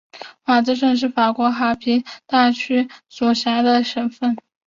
瓦兹省是法国皮卡迪大区所辖的省份。